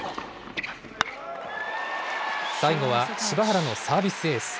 最後は柴原のサービスエース。